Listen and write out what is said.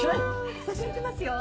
写真いきますよ。